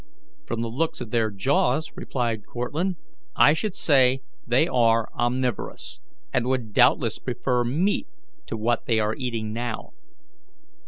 "From the looks of their jaws," replied Cortlandt, "I should say they are omnivorous, and would doubtless prefer meat to what they are eating now.